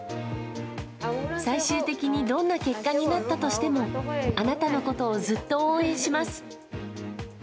最終的にどんな結果になったとしても、あなたのことをずっと応援します。